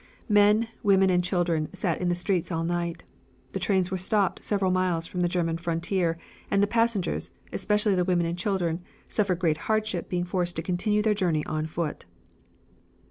Men, women and children sat in the streets all night. The trains were stopped several miles from the German frontier and the passengers, especially the women and children, suffered great hardship being forced to continue their journey on foot.